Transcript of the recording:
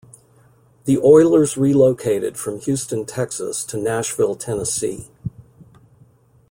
The Oilers relocated from Houston, Texas to Nashville, Tennessee.